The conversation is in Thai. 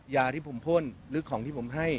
ยาที่ผมพ่นหรือของที่ผมให้